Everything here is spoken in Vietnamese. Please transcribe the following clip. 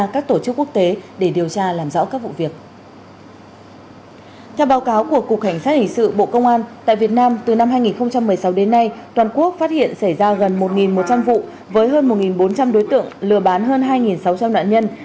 các hình sự bộ công an tại việt nam từ năm hai nghìn một mươi sáu đến nay toàn quốc phát hiện xảy ra gần một một trăm linh vụ với hơn một bốn trăm linh đối tượng lừa bán hơn hai sáu trăm linh nạn nhân